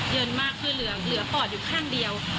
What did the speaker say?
เยอะมากคือเหลือปอดอยู่ข้างเดียว